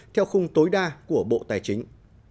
theo khung tối đa của bộ tài chính